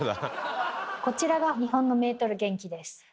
こちらが日本のメートル原器です。